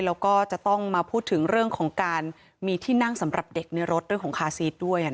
แล้วก็จะต้องมาพูดถึงเรื่องของการมีที่นั่งสำหรับเด็กในรถเรื่องของคาซีสด้วย